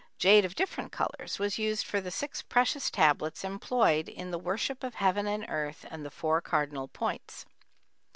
Jade of different colors was used for the six precious tablets employed in the worship of heaven and earth and the four cardinal points.